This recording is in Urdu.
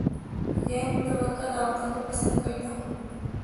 غیر متوقع دعوتوں کو پسند کرتا ہوں